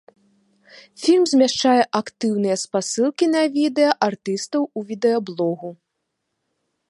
Фільм змяшчае актыўныя спасылкі на відэа артыстаў у відэаблогу.